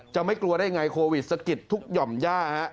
จะไม่กลัวได้ไงโควิดสะกิดทุกหย่อมย่าฮะ